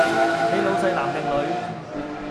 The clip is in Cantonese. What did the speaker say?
你老細男定女？